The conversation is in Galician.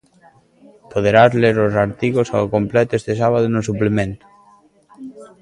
Poderás ler os artigos ao completo este sábado no suplemento.